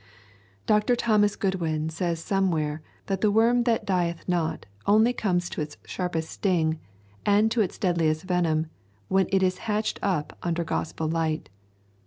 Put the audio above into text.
Dr. Thomas Goodwin says somewhere that the worm that dieth not only comes to its sharpest sting and to its deadliest venom when it is hatched up under gospel light.